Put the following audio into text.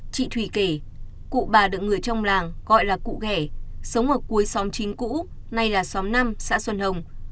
chị thủy kể cụ bà được người trong làng gọi là cụ ghẻ sống ở cuối xóm chín cũ nay là xóm năm xã xuân hồng